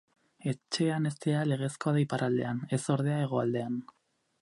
Etxean heztea legezkoa da iparraldean, ez ordea hegoaldean.